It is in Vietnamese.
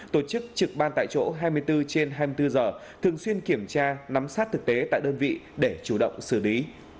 tổ chức trực ban tại chỗ hai mươi bốn trên hai mươi bốn giờ thường xuyên kiểm tra nắm sát thực tế tại đơn vị để chủ động xử lý